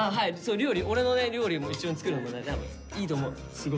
料理俺のね料理も一緒に作るのもねいいと思うすごく。